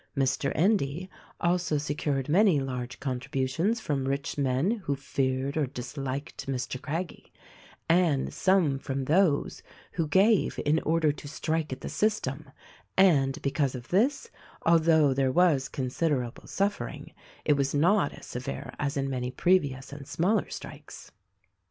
Mr. Endy also secured many large contributions from rich men who feared or disliked Mr. Craggie, and some from those who gave in order to strike at the system ; and, because of this, although there was considerable suffering, it was not as severe as in many previous and smaller strikes.